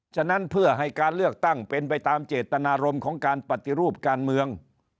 ฉะนั้นเพื่อให้การเลือกตั้งเป็นไปตามเจตนารมณ์ของการปฏิรูปการเมือง